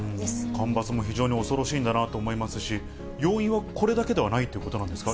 干ばつも非常に恐ろしいんだなと思いますし、要因はこれだけではないということなんですか？